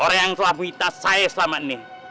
orang yang telah menghita saya selama ini